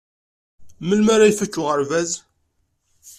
Melmi ara ifak uɣerbaz?